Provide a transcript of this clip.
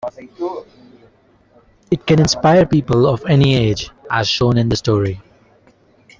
It can inspire people of any age, as shown in the story.